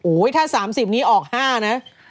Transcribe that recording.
โอ้ยถ้า๓๐นี้ออก๕นะ